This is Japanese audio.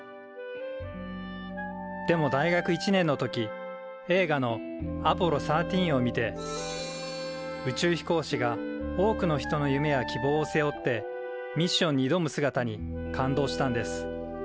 でも大学１年の時映画の「アポロ１３」をみて宇宙飛行士が多くの人の夢や希望を背負ってミッションにいどむ姿に感動したんです。